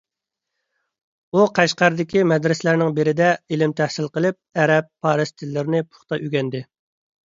ئۇ قەشقەردىكى مەدرىسەلەرنىڭ بىرىدە ئىلىم تەھسىل قىلىپ، ئەرەب، پارس تىللىرىنى پۇختا ئۆگەندى.